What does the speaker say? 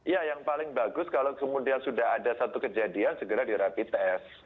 ya yang paling bagus kalau kemudian sudah ada satu kejadian segera direpi tes